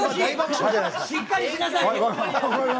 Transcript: しっかりしなさい！